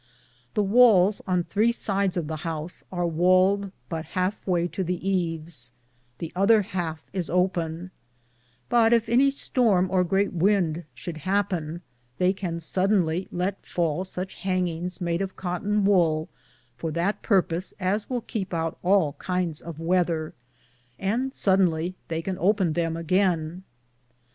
The wales on 3 sides of the house ar waled but halfe waye to the eaves ; the other halfe is open ; but yf any storme or great wynde should hapen, they can sodonly Let fale suche hanginges made of cotten wolle for that purpose as will kepe out all kindes of wethere, and sudenly they can open them againe.